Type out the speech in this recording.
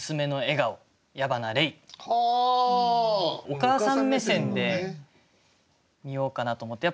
お母さん目線で見ようかなと思って。